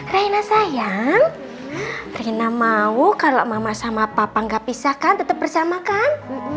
reina sayang rina mau kalau mama sama papa nggak pisahkan tetap bersamakan